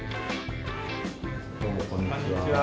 どうもこんにちは。